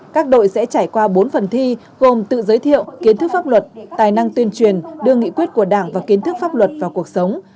các đội sẽ trải qua bốn phần thi gồm tự giới thiệu kiến thức pháp luật tài năng tuyên truyền đưa nghị quyết của đảng và kiến thức pháp luật vào cuộc sống